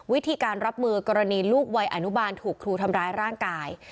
วิธีการรับมือกรณีลูกวัยอนุบาลถูกครูทำร้ายร่างกาย